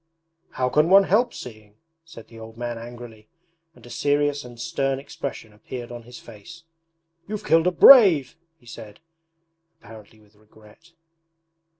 'How can one help seeing?' said the old man angrily, and a serious and stern expression appeared on his face. 'You've killed a brave,' he said, apparently with regret.